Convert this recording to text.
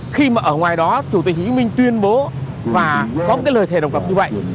khi mà ở ngoài đó chủ tịch hồ chí minh tuyên bố và có cái lời thề độc lập như vậy